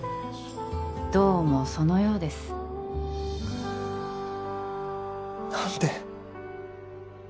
どうもそのようです何で？